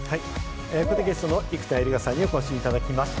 ここでゲストの生田絵梨花さんにお越しいただきました。